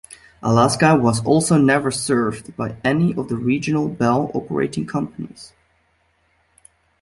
Alaska was also never served by any of the Regional Bell Operating Companies.